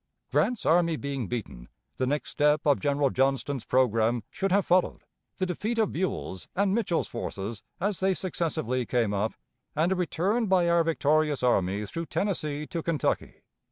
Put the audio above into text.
Grant's army being beaten, the next step of General Johnston's programme should have followed, the defeat of Buell's and Mitchell's forces as they successively came up, and a return by our victorious army through Tennessee to Kentucky.